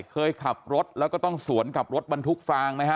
เคยขับรถแล้วก็ต้องสวนกับรถบรรทุกฟางไหมฮะ